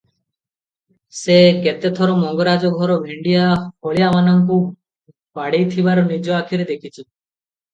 ସେ କେତେ ଥର ମଙ୍ଗରାଜ ଘର ଭେଣ୍ତିଆ ହଳିଆମାନଙ୍କୁ ବାଡ଼େଇଥିବାର ନିଜ ଆଖିରେ ଦେଖିଛି ।